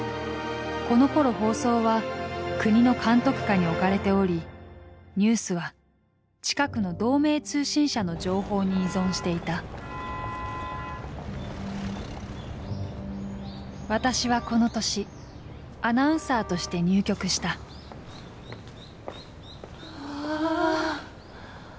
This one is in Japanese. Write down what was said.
このころ放送は国の監督下に置かれておりニュースは近くの同盟通信社の情報に依存していた私はこの年アナウンサーとして入局したわあ。